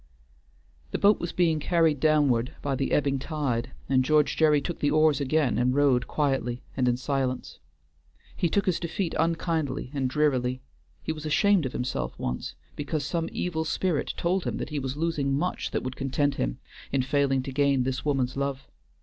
The boat was being carried downward by the ebbing tide, and George Gerry took the oars again, and rowed quietly and in silence. He took his defeat unkindly and drearily; he was ashamed of himself once, because some evil spirit told him that he was losing much that would content him, in failing to gain this woman's love.